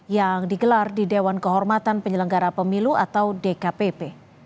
yang digelar di dewan kehormatan penyelenggara pemilu atau dkpp